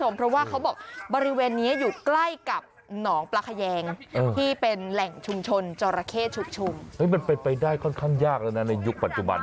มันเป็นไปได้ค่อนข้างยากแล้วนะในยุคปัจจุบัน